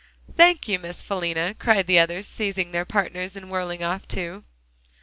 "Thank you, Miss Philena," cried the others, seizing their partners and whirling off too.